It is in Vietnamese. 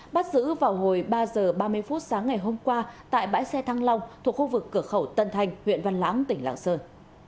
bắt giữ vào hồi ba h ba mươi phút sáng ngày hôm qua tại bãi xe thăng long thuộc khu vực cửa khẩu tân thanh huyện văn lãng tỉnh lạng sơn